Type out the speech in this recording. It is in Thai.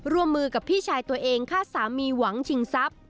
ร่วมมือกับพี่ชายตัวเองฆ่าสามีหวังชิงทรัพย์